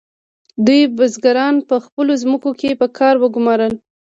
دوی بزګران په خپلو ځمکو کې په کار وګمارل.